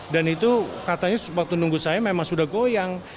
dan itu katanya waktu menunggu saya memang sudah goyang